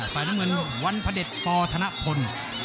ฝ่ายน้ำเงินวันพระเด็จปธนพล